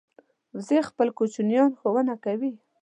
وزې خپل کوچنیان ښوونه کوي